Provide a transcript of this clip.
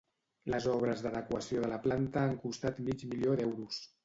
Les obres d'adequació de la planta han costat mig milió d'euros.